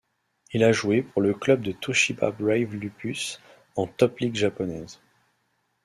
Il a joué pour le club de Toshiba Brave Lupus en Top League japonaise.